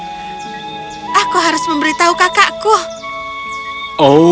memberitahu kakakku aku harus memberitahu kakakku aku harus memberitahu kakakku